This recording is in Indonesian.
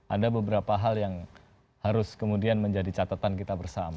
ada beberapa hal yang harus kemudian menjadi catatan kita bersama